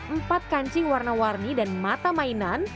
empat kancing warna warni dan mata mainan